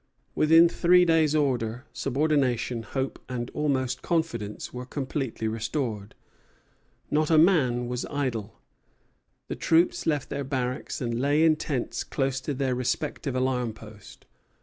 Within three days order, subordination, hope, and almost confidence were completely restored. Not a man was idle. The troops left their barracks and lay in tents close to their respective alarm posts.